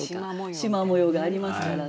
しま模様がありますからね。